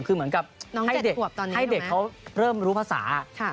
คือเหมือนกับให้เด็กเขาเริ่มรู้ภาษา